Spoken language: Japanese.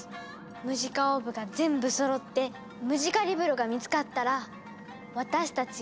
ムジカオーブが全部そろってムジカリブロが見つかったら私たち